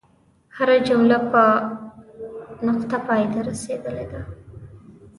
هره جمله په نقطه پای ته رسیدلې ده.